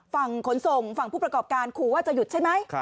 ฝั่งขนส่งฝั่งผู้ประกอบการขู่ว่าจะหยุดใช่ไหม